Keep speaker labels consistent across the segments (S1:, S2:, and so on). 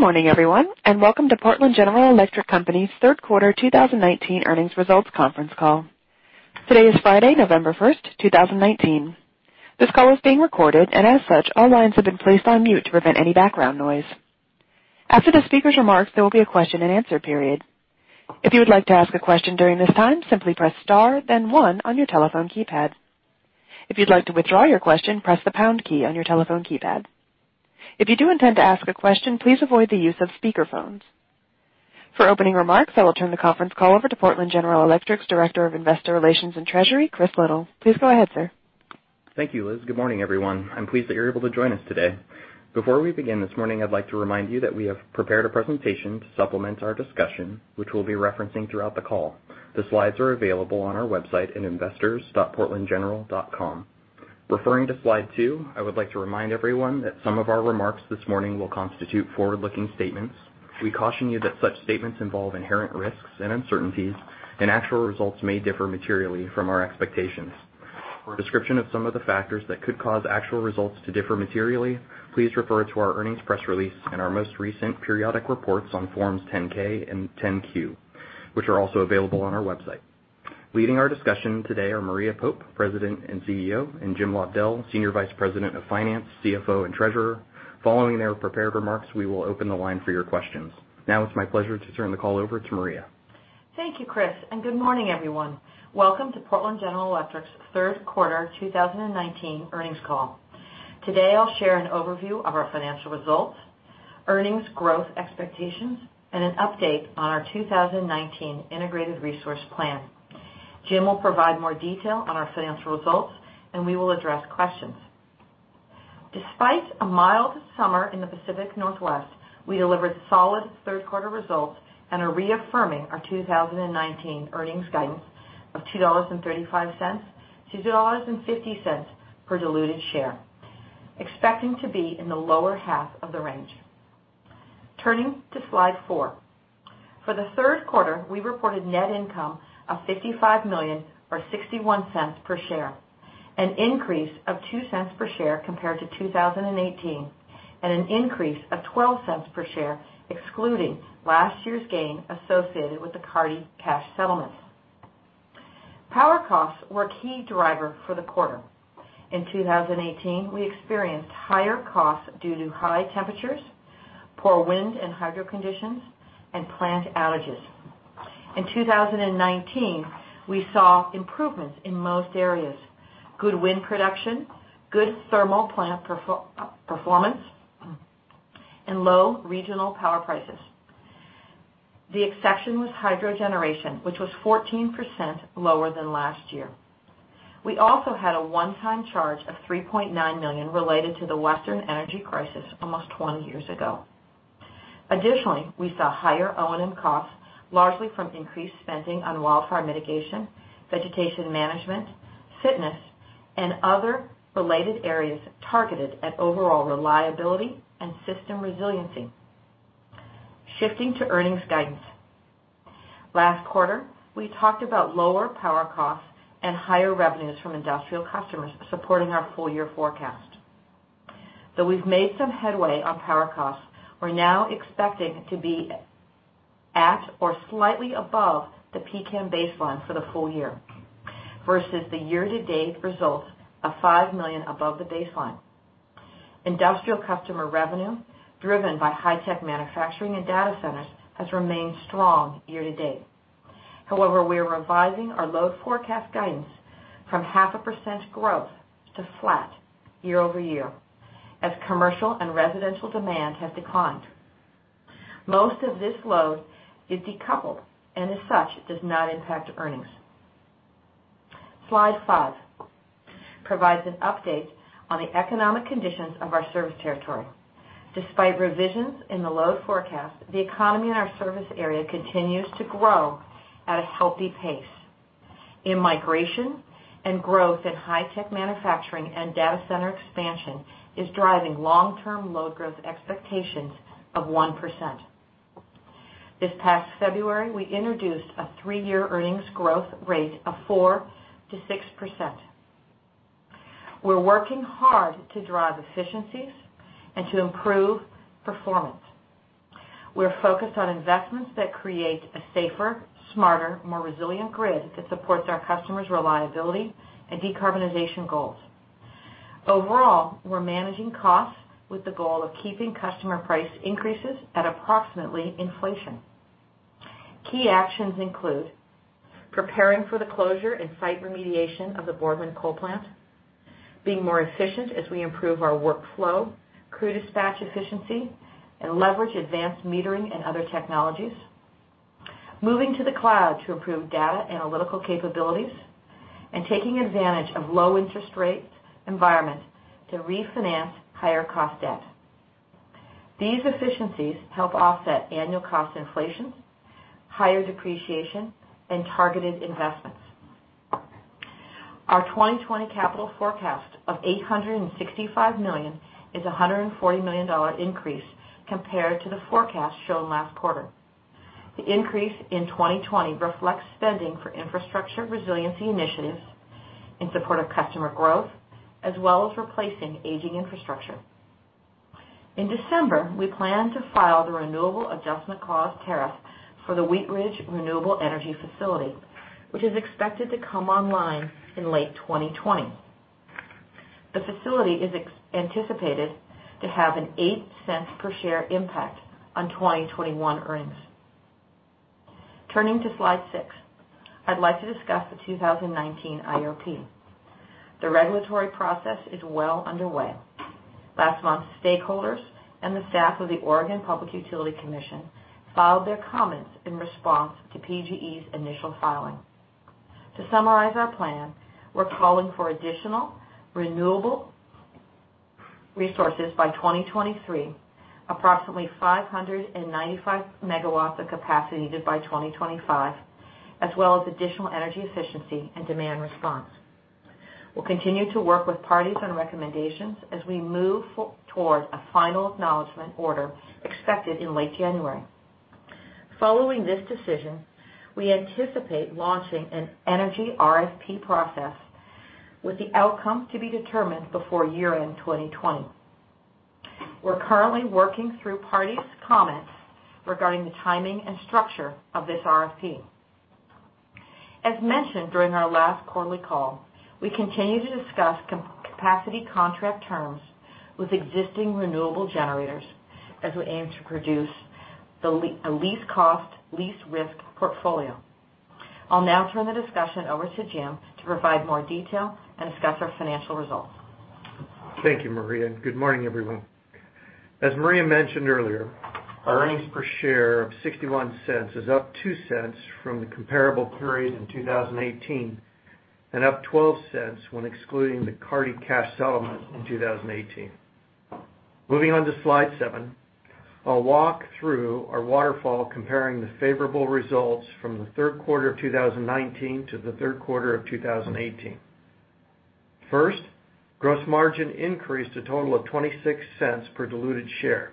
S1: Good morning, everyone, and welcome to Portland General Electric Company's third quarter 2019 earnings results conference call. Today is Friday, November 1st, 2019. This call is being recorded, and as such, all lines have been placed on mute to prevent any background noise. After the speaker's remarks, there will be a question and answer period. If you would like to ask a question during this time, simply press star then one on your telephone keypad. If you'd like to withdraw your question, press the pound key on your telephone keypad. If you do intend to ask a question, please avoid the use of speakerphones. For opening remarks, I will turn the conference call over to Portland General Electric's Director of Investor Relations and Treasury, Chris Liddle. Please go ahead, sir.
S2: Thank you, Liz. Good morning, everyone. I'm pleased that you're able to join us today. Before we begin this morning, I'd like to remind you that we have prepared a presentation to supplement our discussion, which we'll be referencing throughout the call. The slides are available on our website at investors.portlandgeneral.com. Referring to slide two, I would like to remind everyone that some of our remarks this morning will constitute forward-looking statements. We caution you that such statements involve inherent risks and uncertainties. Actual results may differ materially from our expectations. For a description of some of the factors that could cause actual results to differ materially, please refer to our earnings press release and our most recent periodic reports on forms 10-K and 10-Q, which are also available on our website. Leading our discussion today are Maria Pope, President and CEO, and Jim Lobdell, Senior Vice President of Finance, CFO, and Treasurer. Following their prepared remarks, we will open the line for your questions. It's my pleasure to turn the call over to Maria.
S3: Thank you, Chris, and good morning, everyone. Welcome to Portland General Electric's third quarter 2019 earnings call. Today, I'll share an overview of our financial results, earnings growth expectations, and an update on our 2019 Integrated Resource Plan. Jim will provide more detail on our financial results, and we will address questions. Despite a mild summer in the Pacific Northwest, we delivered solid third-quarter results and are reaffirming our 2019 earnings guidance of $2.35-$2.50 per diluted share, expecting to be in the lower half of the range. Turning to slide four. For the third quarter, we reported net income of $55 million or $0.61 per share, an increase of $0.02 per share compared to 2018, and an increase of $0.12 per share excluding last year's gain associated with the Carty cash settlement. Power costs were a key driver for the quarter. In 2018, we experienced higher costs due to high temperatures, poor wind and hydro conditions, and plant outages. In 2019, we saw improvements in most areas, good wind production, good thermal plant performance, and low regional power prices. The exception was hydro generation, which was 14% lower than last year. We also had a one-time charge of $3.9 million related to the Western energy crisis almost 20 years ago. Additionally, we saw higher O&M costs, largely from increased spending on wildfire mitigation, vegetation management, fitness, and other related areas targeted at overall reliability and system resiliency. Shifting to earnings guidance. Last quarter, we talked about lower power costs and higher revenues from industrial customers supporting our full-year forecast. Though we've made some headway on power costs, we're now expecting to be at or slightly above the PCAM baseline for the full year, versus the year-to-date results of $5 million above the baseline. Industrial customer revenue, driven by high-tech manufacturing and data centers, has remained strong year-to-date. However, we are revising our load forecast guidance from 0.5% growth to flat year-over-year as commercial and residential demand have declined. Most of this load is decoupled, and as such, does not impact earnings. Slide five provides an update on the economic conditions of our service territory. Despite revisions in the load forecast, the economy in our service area continues to grow at a healthy pace. In-migration and growth in high-tech manufacturing and data center expansion is driving long-term load growth expectations of 1%. This past February, we introduced a three-year earnings growth rate of 4%-6%. We're working hard to drive efficiencies and to improve performance. We're focused on investments that create a safer, smarter, more resilient grid that supports our customers' reliability and decarbonization goals. Overall, we're managing costs with the goal of keeping customer price increases at approximately inflation. Key actions include preparing for the closure and site remediation of the Boardman Coal Plant, being more efficient as we improve our workflow, crew dispatch efficiency, and leverage advanced metering and other technologies, moving to the cloud to improve data analytical capabilities, and taking advantage of low interest rate environments to refinance higher cost debt. These efficiencies help offset annual cost inflation, higher depreciation, and targeted investments. Our 2020 capital forecast of $865 million is a $140 million increase compared to the forecast shown last quarter. The increase in 2020 reflects spending for infrastructure resiliency initiatives in support of customer growth, as well as replacing aging infrastructure. In December, we plan to file the Renewable Adjustment Cost Tariff for the Wheatridge Renewable Energy facility, which is expected to come online in late 2020. The facility is anticipated to have an $0.08 per share impact on 2021 earnings. Turning to slide six, I'd like to discuss the 2019 IRP. The regulatory process is well underway. Last month, stakeholders and the staff of the Oregon Public Utility Commission filed their comments in response to PGE's initial filing. To summarize our plan, we're calling for additional renewable resources by 2023, approximately 595 MW of capacity needed by 2025, as well as additional energy efficiency and demand response. We'll continue to work with parties on recommendations as we move toward a final acknowledgment order expected in late January. Following this decision, we anticipate launching an energy RFP process with the outcome to be determined before year-end 2020. We're currently working through parties' comments regarding the timing and structure of this RFP. As mentioned during our last quarterly call, we continue to discuss capacity contract terms with existing renewable generators as we aim to produce a least cost, least-risk portfolio. I'll now turn the discussion over to Jim to provide more detail and discuss our financial results.
S4: Thank you, Maria. Good morning, everyone. As Maria mentioned earlier, our earnings per share of $0.61 is up $0.02 from the comparable period in 2018 and up $0.12 when excluding the Carty cash settlement in 2018. Moving on to slide seven, I'll walk through our waterfall, comparing the favorable results from the third quarter of 2019 to the third quarter of 2018. First, gross margin increased a total of $0.26 per diluted share.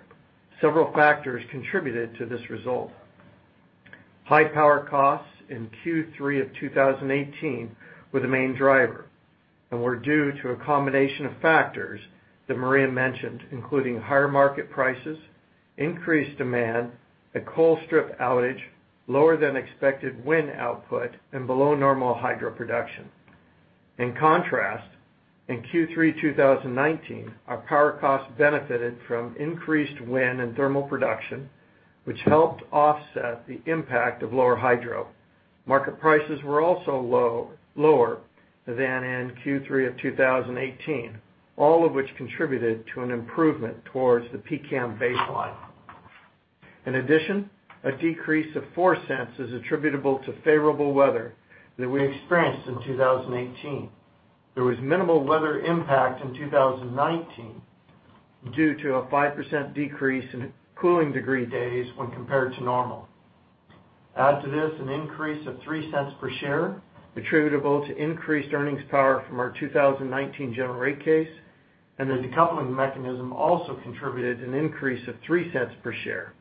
S4: Several factors contributed to this result. High power costs in Q3 of 2018 were the main driver and were due to a combination of factors that Maria mentioned, including higher market prices, increased demand, a Colstrip outage, lower than expected wind output, and below normal hydro production. In contrast, in Q3 2019, our power costs benefited from increased wind and thermal production, which helped offset the impact of lower hydro. Market prices were also lower than in Q3 of 2018, all of which contributed to an improvement towards the PCAM baseline. In addition, a decrease of $0.04 is attributable to favorable weather that we experienced in 2018. There was minimal weather impact in 2019 due to a 5% decrease in cooling degree days when compared to normal. Add to this an increase of $0.03 per share attributable to increased earnings power from our 2019 general rate case. The decoupling mechanism also contributed an increase of $0.03 per share.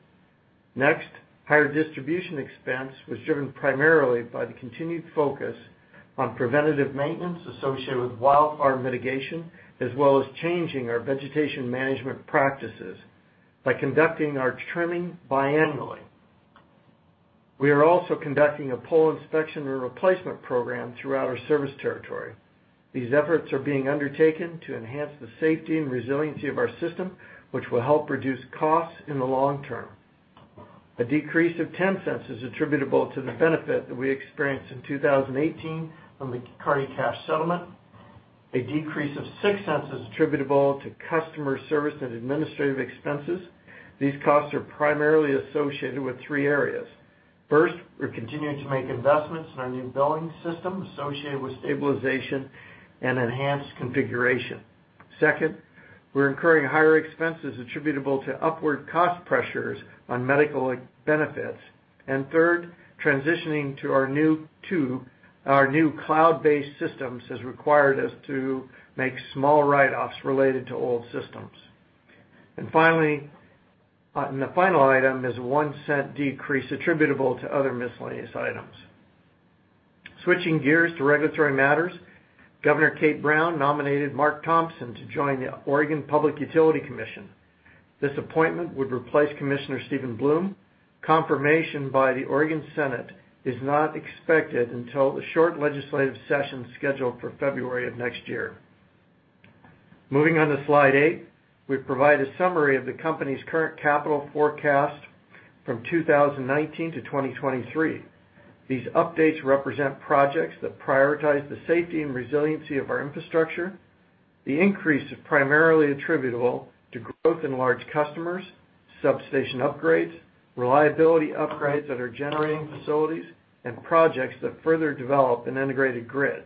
S4: Next, higher distribution expense was driven primarily by the continued focus on preventative maintenance associated with wildfire mitigation, as well as changing our vegetation management practices by conducting our trimming biannually. We are also conducting a pole inspection and replacement program throughout our service territory. These efforts are being undertaken to enhance the safety and resiliency of our system, which will help reduce costs in the long term. A decrease of $0.10 is attributable to the benefit that we experienced in 2018 from the Carty cash settlement. A decrease of $0.06 is attributable to customer service and administrative expenses. These costs are primarily associated with three areas. First, we're continuing to make investments in our new billing system associated with stabilization and enhanced configuration. Second, we're incurring higher expenses attributable to upward cost pressures on medical benefits. Third, transitioning to our new cloud-based systems has required us to make small write-offs related to old systems. The final item is a $0.01 decrease attributable to other miscellaneous items. Switching gears to regulatory matters, Governor Kate Brown nominated Mark Thompson to join the Oregon Public Utility Commission. This appointment would replace Commissioner Stephen Bloom. Confirmation by the Oregon Senate is not expected until the short legislative session scheduled for February of next year. Moving on to slide eight, we provide a summary of the company's current capital forecast from 2019-2023. These updates represent projects that prioritize the safety and resiliency of our infrastructure. The increase is primarily attributable to growth in large customers, substation upgrades, reliability upgrades at our generating facilities, and projects that further develop an integrated grid.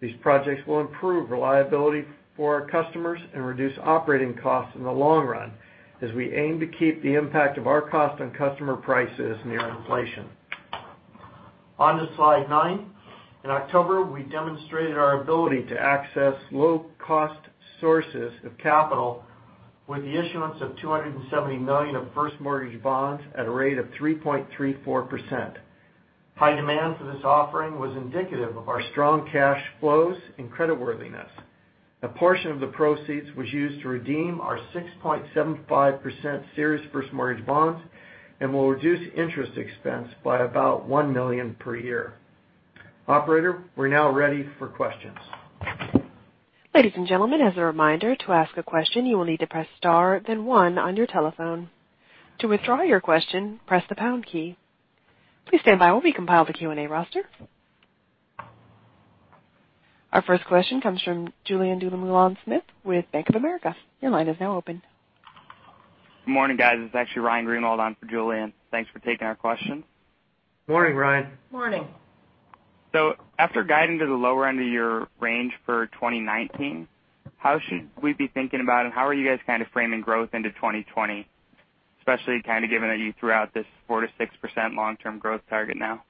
S4: These projects will improve reliability for our customers and reduce operating costs in the long run as we aim to keep the impact of our cost on customer prices near inflation. On to slide nine. In October, we demonstrated our ability to access low-cost sources of capital with the issuance of $270 million of first mortgage bonds at a rate of 3.34%. High demand for this offering was indicative of our strong cash flows and creditworthiness. A portion of the proceeds was used to redeem our 6.75% series first mortgage bonds and will reduce interest expense by about $1 million per year. Operator, we are now ready for questions.
S1: Ladies and gentlemen, as a reminder, to ask a question, you will need to press star then one on your telephone. To withdraw your question, press the pound key. Please stand by while we compile the Q&A roster. Our first question comes from Julien Dumoulin-Smith with Bank of America. Your line is now open.
S5: Good morning, guys. This is actually Ryan Greenwald on for Julien. Thanks for taking our question.
S4: Morning, Ryan.
S3: Morning.
S5: After guiding to the lower end of your range for 2019, how should we be thinking about and how are you guys framing growth into 2020, especially given that you threw out this 4%-6% long-term growth target now?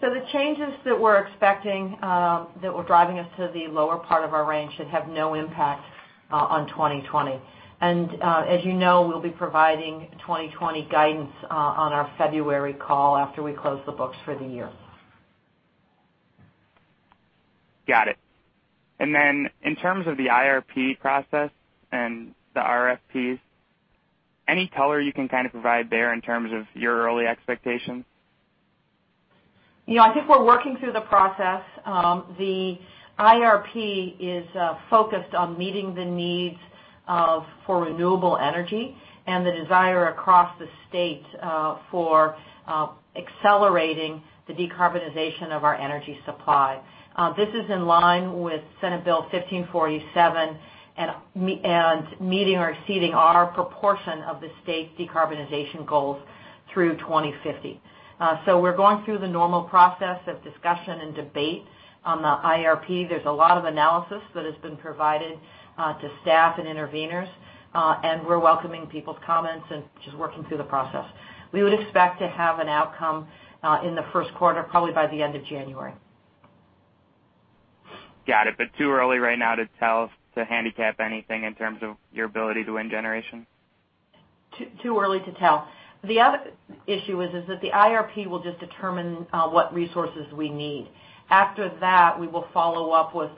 S3: The changes that we're expecting, that were driving us to the lower part of our range should have no impact on 2020. As you know, we'll be providing 2020 guidance on our February call after we close the books for the year.
S5: Got it. In terms of the IRP process and the RFPs, any color you can provide there in terms of your early expectations?
S3: I think we're working through the process. The IRP is focused on meeting the needs for renewable energy and the desire across the state for accelerating the decarbonization of our energy supply. This is in line with Senate Bill 1547 and meeting or exceeding our proportion of the state's decarbonization goals through 2050. We're going through the normal process of discussion and debate on the IRP. There's a lot of analysis that has been provided to staff and interveners. We're welcoming people's comments and just working through the process. We would expect to have an outcome in the first quarter, probably by the end of January.
S5: Got it. Too early right now to tell to handicap anything in terms of your ability to win generation?
S3: Too early to tell. The other issue is that the IRP will just determine what resources we need. After that, we will follow up with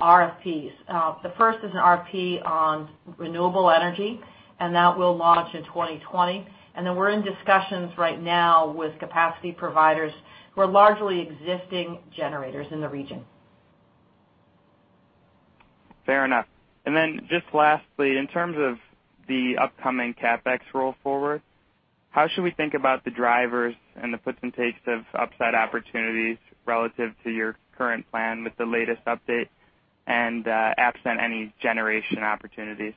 S3: RFPs. The first is an RFP on renewable energy, and that will launch in 2020. Then we're in discussions right now with capacity providers who are largely existing generators in the region.
S5: Fair enough. Just lastly, in terms of the upcoming CapEx roll forward, how should we think about the drivers and the puts and takes of upside opportunities relative to your current plan with the latest update and absent any generation opportunities?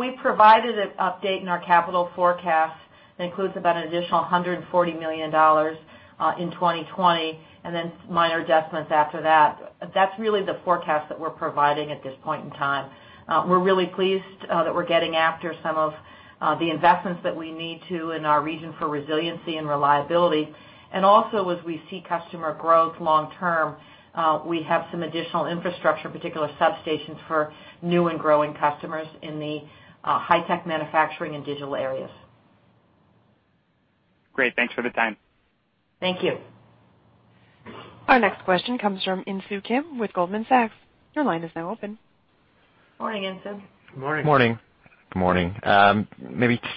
S3: We provided an update in our capital forecast that includes about an additional $140 million in 2020, and then minor adjustments after that. That's really the forecast that we're providing at this point in time. We're really pleased that we're getting after some of the investments that we need to in our region for resiliency and reliability. Also, as we see customer growth long term, we have some additional infrastructure, particular substations for new and growing customers in the high-tech manufacturing and digital areas.
S5: Great. Thanks for the time.
S3: Thank you.
S1: Our next question comes from Insoo Kim with Goldman Sachs. Your line is now open.
S3: Morning, Insoo.
S4: Morning.
S6: Good morning.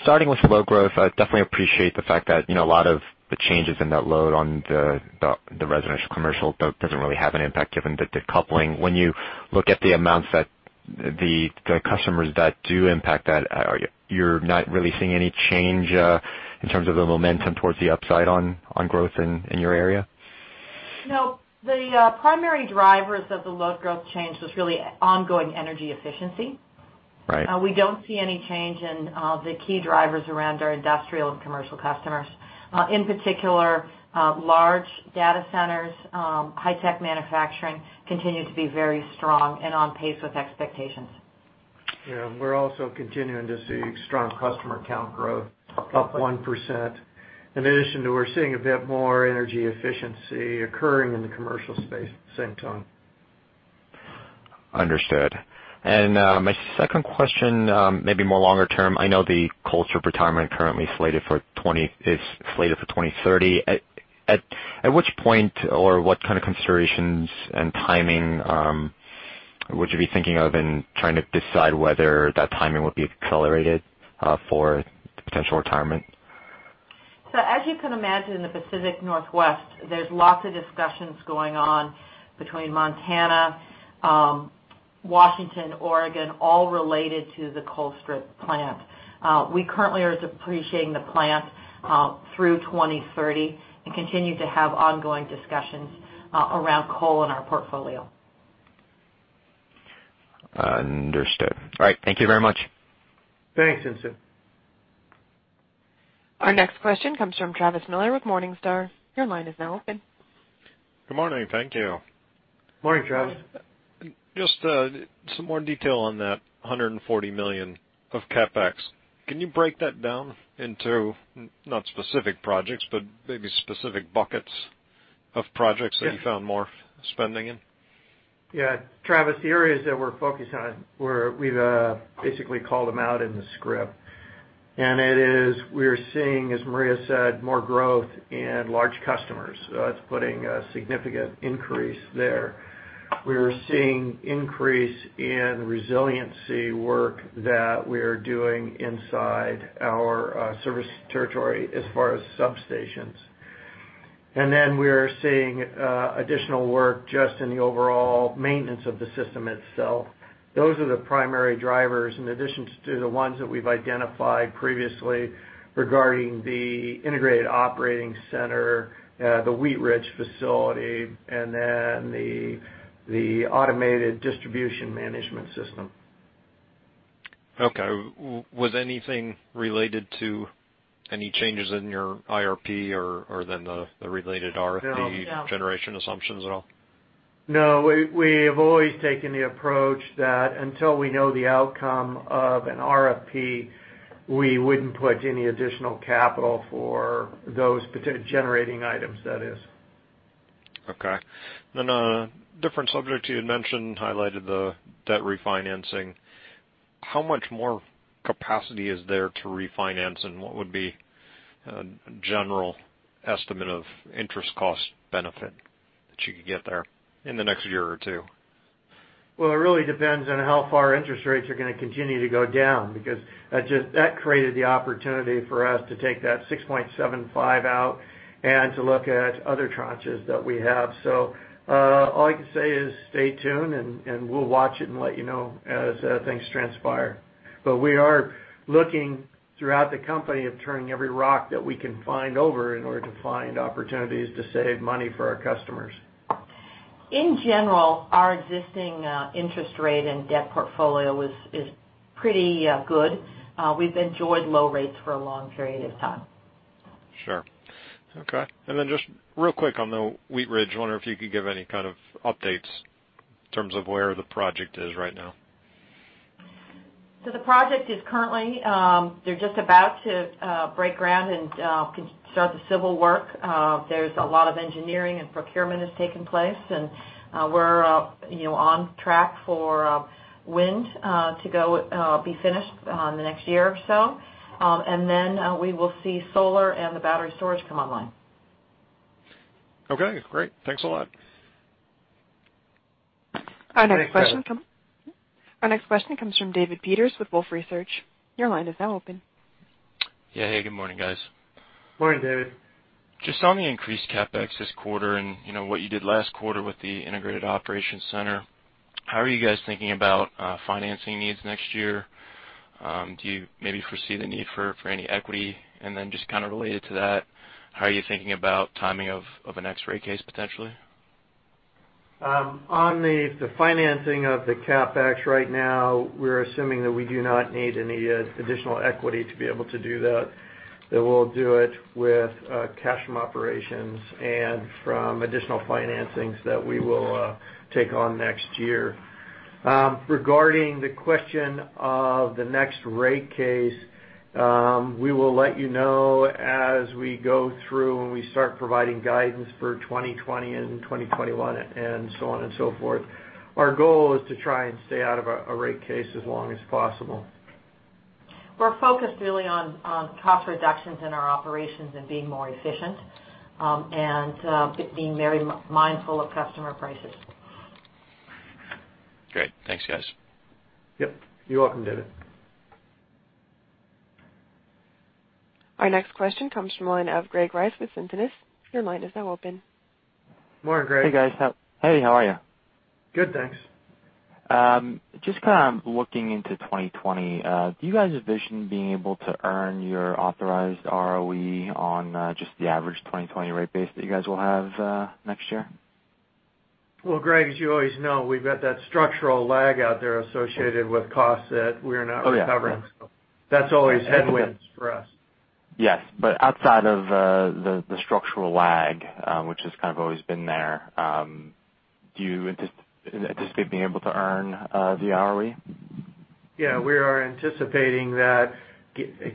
S6: Starting with load growth, definitely appreciate the fact that a lot of the changes in that load on the residential commercial doesn't really have an impact given the decoupling. When you look at the amounts that the customers that do impact that, you're not really seeing any change in terms of the momentum towards the upside on growth in your area?
S3: No. The primary drivers of the load growth change was really ongoing energy efficiency.
S6: Right.
S3: We don't see any change in the key drivers around our industrial and commercial customers. In particular, large data centers, high-tech manufacturing continue to be very strong and on pace with expectations.
S4: Yeah. We're also continuing to see strong customer count growth up 1%. In addition, we're seeing a bit more energy efficiency occurring in the commercial space at the same time.
S6: Understood. My second question, maybe more longer term, I know the Colstrip retirement currently is slated for 2030. At which point or what kind of considerations and timing would you be thinking of in trying to decide whether that timing would be accelerated for potential retirement?
S3: As you can imagine, in the Pacific Northwest, there's lots of discussions going on between Montana, Washington, Oregon, all related to the Colstrip plant. We currently are depreciating the plant through 2030 and continue to have ongoing discussions around coal in our portfolio.
S6: Understood. All right. Thank you very much.
S4: Thanks, Insoo.
S1: Our next question comes from Travis Miller with Morningstar. Your line is now open.
S7: Good morning. Thank you.
S4: Good morning, Travis.
S7: Some more detail on that $140 million of CapEx. Can you break that down into, not specific projects, but maybe specific buckets of projects that you found more spending in?
S4: Yeah. Travis, the areas that we're focused on, we've basically called them out in the script. It is, we are seeing, as Maria said, more growth in large customers. That's putting a significant increase there. We're seeing increase in resiliency work that we're doing inside our service territory as far as substations. We are seeing additional work just in the overall maintenance of the system itself. Those are the primary drivers, in addition to the ones that we've identified previously regarding the Integrated Operations Center, the Wheatridge facility, and then the Advanced Distribution Management System.
S7: Okay. Was anything related to any changes in your IRP or then the related RFP-generation assumptions at all?
S4: No, we have always taken the approach that until we know the outcome of an RFP, we wouldn't put any additional capital for those generating items, that is.
S7: Okay. A different subject you had mentioned, highlighted the debt refinancing. How much more capacity is there to refinance, and what would be a general estimate of interest cost benefit that you could get there in the next year or two?
S4: Well, it really depends on how far interest rates are going to continue to go down, because that created the opportunity for us to take that 6.75% out and to look at other tranches that we have. All I can say is stay tuned, and we'll watch it and let you know as things transpire. We are looking throughout the company of turning every rock that we can find over in order to find opportunities to save money for our customers.
S3: In general, our existing interest rate and debt portfolio is pretty good. We've enjoyed low rates for a long period of time.
S7: Sure. Okay. Just real quick on the Wheatridge, I wonder if you could give any kind of updates in terms of where the project is right now.
S3: The project is currently, they're just about to break ground and can start the civil work. There's a lot of engineering and procurement that's taken place, and we're on track for wind to be finished in the next year or so. We will see solar and the battery storage come online.
S7: Okay, great. Thanks a lot.
S4: Thanks, Travis.
S1: Our next question comes from David Peters with Wolfe Research. Your line is now open.
S8: Yeah. Hey, good morning, guys.
S4: Morning, David.
S8: Just on the increased CapEx this quarter and what you did last quarter with the Integrated Operations Center, how are you guys thinking about financing needs next year? Do you maybe foresee the need for any equity? Just kind of related to that, how are you thinking about timing of a next rate case potentially?
S4: On the financing of the CapEx right now, we're assuming that we do not need any additional equity to be able to do that we'll do it with cash from operations and from additional financings that we will take on next year. Regarding the question of the next rate case, we will let you know as we go through and we start providing guidance for 2020 and 2021 and so on and so forth. Our goal is to try and stay out of a rate case as long as possible.
S3: We're focused really on cost reductions in our operations and being more efficient, and being very mindful of customer prices.
S8: Great. Thanks, guys.
S4: Yep. You're welcome, David.
S1: Our next question comes from the line of Greg Reiss with Centenus. Your line is now open.
S4: Morning, Greg.
S9: Hey, guys. Hey, how are you?
S4: Good, thanks.
S9: Just kind of looking into 2020, do you guys envision being able to earn your authorized ROE on just the average 2020 rate base that you guys will have next year?
S4: Well, Greg, as you always know, we've got that structural lag out there associated with costs that we're now recovering.
S9: Oh, yeah.
S4: That's always headwinds for us.
S9: Yes. Outside of the structural lag, which has kind of always been there, do you anticipate being able to earn the ROE?
S4: Yeah, we are anticipating that,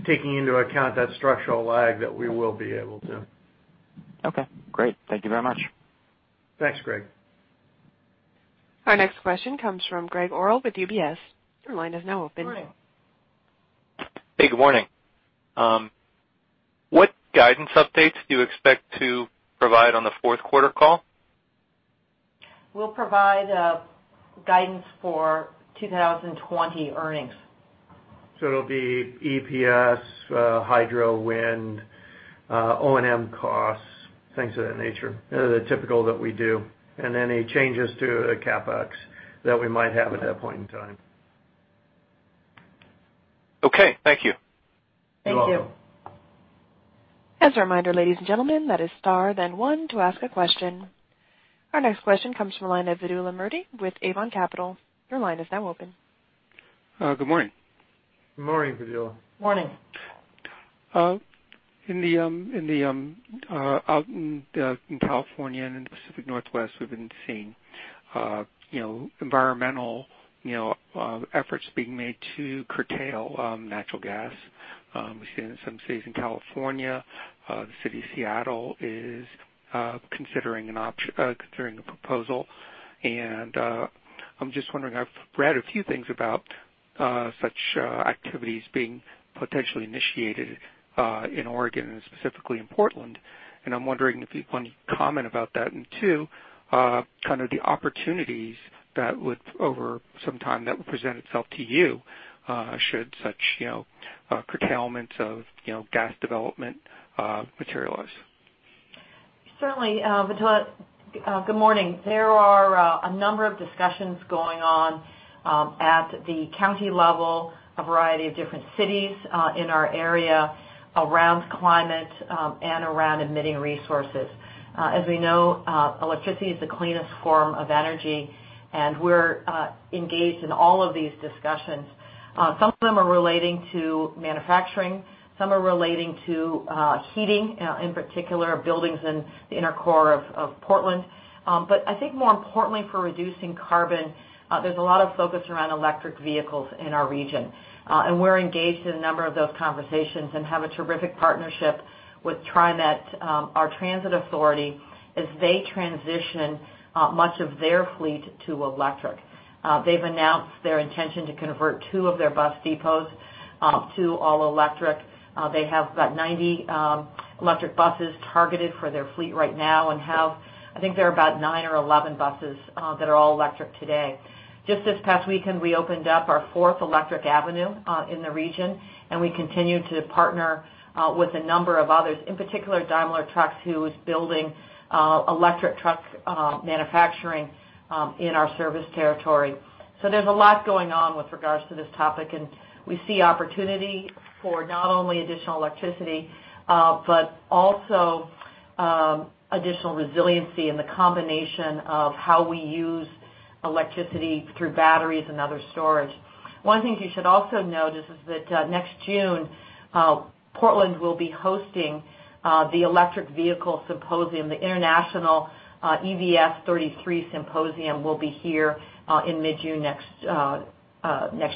S4: taking into account that structural lag, that we will be able to.
S9: Okay, great. Thank you very much.
S4: Thanks, Greg.
S1: Our next question comes from Gregg Orrill with UBS. Your line is now open.
S4: Morning.
S10: Hey, good morning. What guidance updates do you expect to provide on the fourth quarter call?
S3: We'll provide guidance for 2020 earnings.
S4: It'll be EPS, hydro, wind, O&M costs, things of that nature. The typical that we do. Any changes to the CapEx that we might have at that point in time.
S10: Okay, thank you.
S4: You're welcome.
S3: Thank you.
S1: As a reminder, ladies and gentlemen, that is star then one to ask a question. Our next question comes from the line of Vedula Murti with Avon Capital. Your line is now open.
S11: Good morning.
S4: Good morning, Vedula.
S3: Morning.
S11: Out in California and in the Pacific Northwest, we've been seeing environmental efforts being made to curtail natural gas. We've seen it in some cities in California. The City of Seattle is considering a proposal. I'm just wondering, I've read a few things about such activities being potentially initiated in Oregon, and specifically in Portland, and I'm wondering if you want to comment about that. Two, the opportunities that would, over some time, that would present itself to you should such curtailment of gas development materialize.
S3: Certainly. Vedula, good morning. There are a number of discussions going on at the county level, a variety of different cities in our area, around climate, and around emitting resources. As we know, electricity is the cleanest form of energy, and we're engaged in all of these discussions. Some of them are relating to manufacturing, some are relating to heating, in particular, buildings in the inner core of Portland. I think more importantly for reducing carbon, there's a lot of focus around electric vehicles in our region. We're engaged in a number of those conversations and have a terrific partnership with TriMet, our transit authority, as they transition much of their fleet to electric. They've announced their intention to convert two of their bus depots to all electric. They have about 90 electric buses targeted for their fleet right now and have, I think there are about nine or 11 buses that are all electric today. Just this past weekend, we opened up our fourth Electric Avenue in the region, and we continue to partner with a number of others, in particular Daimler Trucks, who is building electric truck manufacturing in our service territory. There's a lot going on with regards to this topic, and we see opportunity for not only additional electricity, but also additional resiliency in the combination of how we use electricity through batteries and other storage. One thing you should also note is that next June, Portland will be hosting the electric vehicle symposium. The International EVS33 Symposium will be here in mid-June next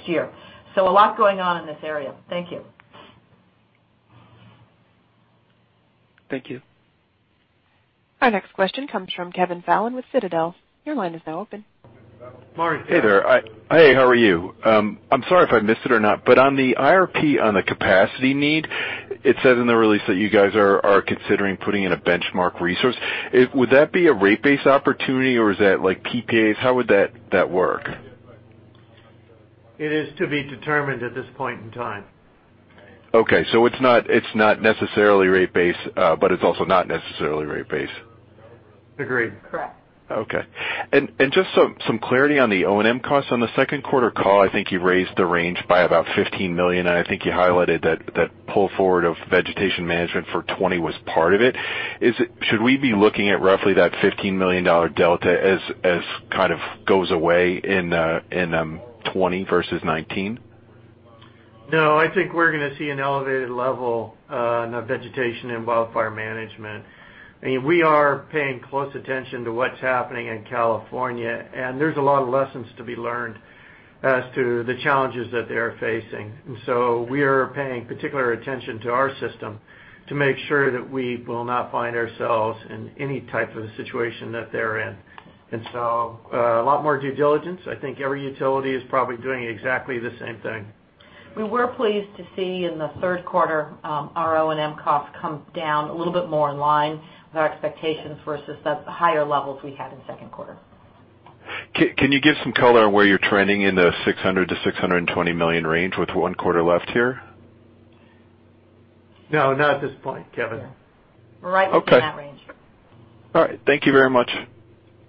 S3: year. A lot going on in this area. Thank you.
S11: Thank you.
S1: Our next question comes from Kevin Fallon with Citadel. Your line is now open.
S4: Morning, Kevin.
S12: Hey there. Hey, how are you? I'm sorry if I missed it or not, on the IRP, on the capacity need, it says in the release that you guys are considering putting in a benchmark resource. Would that be a rate base opportunity, or is that PPAs? How would that work?
S4: It is to be determined at this point in time.
S12: Okay, it's not necessarily rate base, but it's also not necessarily rate base.
S4: Agreed.
S3: Correct.
S12: Okay. Just some clarity on the O&M costs. On the second quarter call, I think you raised the range by about $15 million, and I think you highlighted that pull forward of vegetation management for 2020 was part of it. Should we be looking at roughly that $15 million delta as kind of goes away in 2020 versus 2019?
S4: No, I think we're going to see an elevated level of vegetation and wildfire management. We are paying close attention to what's happening in California, and there's a lot of lessons to be learned as to the challenges that they are facing. We are paying particular attention to our system to make sure that we will not find ourselves in any type of situation that they're in. A lot more due diligence. I think every utility is probably doing exactly the same thing.
S3: We were pleased to see in the third quarter our O&M costs come down a little bit more in line with our expectations versus the higher levels we had in the second quarter.
S12: Can you give some color on where you're trending in the $600 million-$620 million range with one quarter left here?
S4: No, not at this point, Kevin.
S3: No. We're right within that range.
S12: Okay. All right. Thank you very much.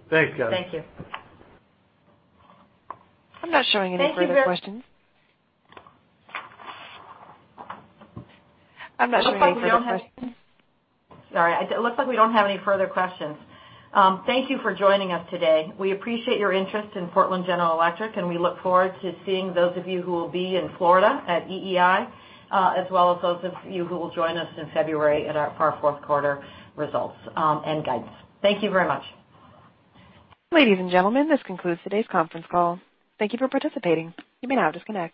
S4: Thanks, Kevin.
S3: Thank you.
S1: I'm not showing any further questions.
S3: Sorry. It looks like we don't have any further questions. Thank you for joining us today. We appreciate your interest in Portland General Electric, and we look forward to seeing those of you who will be in Florida at EEI, as well as those of you who will join us in February at our fourth quarter results and guidance. Thank you very much.
S1: Ladies and gentlemen, this concludes today's conference call. Thank you for participating. You may now disconnect.